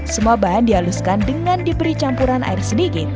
semua bahan dihaluskan dengan diberi campuran air sedikit